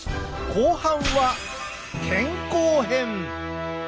後半は健康編！